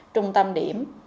trung tâm điểm